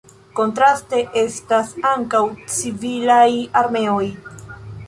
Kontraste estas ankaŭ civilaj armeoj.